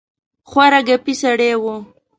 خورا ګپي سړی وو.